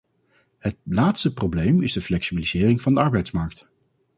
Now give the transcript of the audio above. Het laatste probleem is de flexibilisering van de arbeidsmarkt.